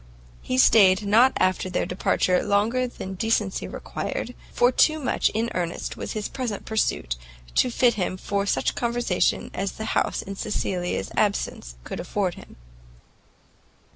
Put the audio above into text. He stayed not after their departure longer than decency required, for too much in earnest was his present pursuit, to fit him for such conversation as the house in Cecilia's absence could afford him.